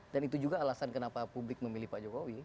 dan itu juga alasan kenapa publik memilih pak jokowi